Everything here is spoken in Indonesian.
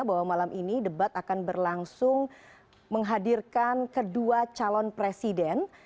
bahwa malam ini debat akan berlangsung menghadirkan kedua calon presiden